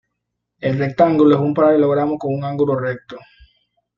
El rectángulo es un paralelogramo con un ángulo recto.